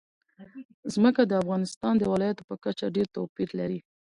ځمکه د افغانستان د ولایاتو په کچه ډېر توپیر لري.